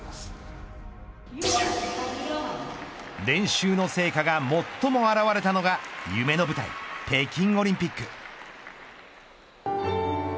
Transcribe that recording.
練習の成果が最も表れたのが夢の舞台北京オリンピック。